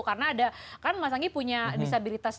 karena ada kan mas anggi punya disabilitas